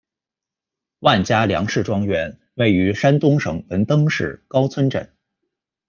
万家梁氏庄园，位于山东省文登市高村镇。